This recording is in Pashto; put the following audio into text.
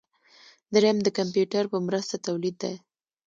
دریم د کمپیوټر په مرسته تولید دی.